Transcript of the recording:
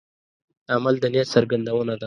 عمل د نیت څرګندونه ده.